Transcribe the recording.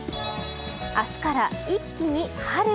明日から一気に春。